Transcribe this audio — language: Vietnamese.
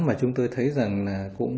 mà chúng tôi thấy rằng là